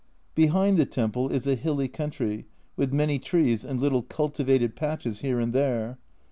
Behind the temple is a hilly country with many trees and little cultivated patches here and there.